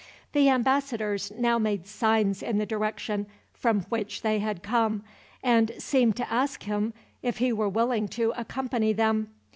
The ambassadors now made signs in the direction from which they had come, and seemed to ask if he were willing to accompany them.